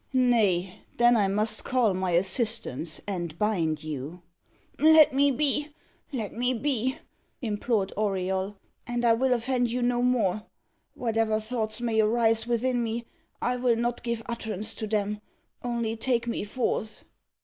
"Nay, then I must call my assistants, and bind you." "Let me be let me be!" implored Auriol, "and I will offend you no more. Whatever thoughts may arise within me, I will not give utterance to them. Only take me forth."